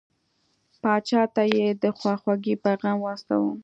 پاچا ته یې د خواخوږی پیغام واستاوه.